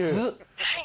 はい。